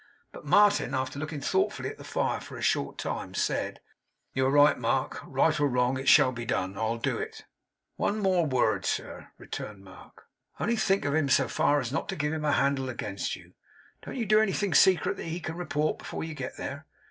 But Martin, after looking thoughtfully at the fire for a short time, said: 'You are right, Mark. Right or wrong, it shall be done. I'll do it.' 'One word more, sir,' returned Mark. 'Only think of him so far as not to give him a handle against you. Don't you do anything secret that he can report before you get there.